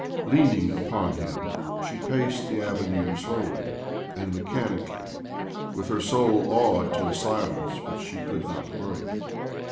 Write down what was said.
Leaning upon him, she paced the avenue slowly and mechanically, with her soul awed to a silence which she could not break.